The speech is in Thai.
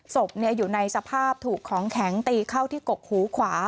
ศพอยู่ในสภาพถูกของแข็งตีเข้าที่กกหูขวา